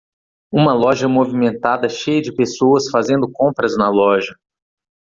Uma loja movimentada cheia de pessoas fazendo compras na loja.